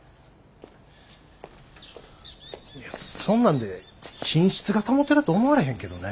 そんなんで品質が保てると思われへんけどね。